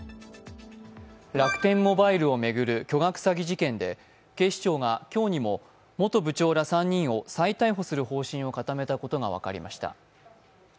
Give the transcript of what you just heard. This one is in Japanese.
楽天モバイルを巡る巨額詐欺事件で警視庁が今日にも元部長ら３人を再逮捕する方針を固めたことが分かりました。